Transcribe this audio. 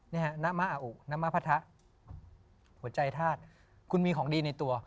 นี่หน้ามาออุมน้ำมาพระตะหัวใจธาตุคุกมีของดีในตัว